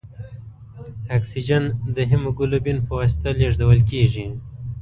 اکسیجن د هیموګلوبین په واسطه لېږدوال کېږي.